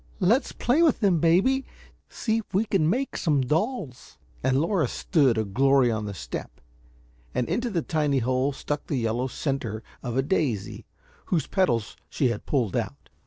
"Let's play with them, baby; see if we can make some dolls;" and Laura stood a glory on the step, and into the tiny hole stuck the yellow center of a daisy, whose petals she had pulled out.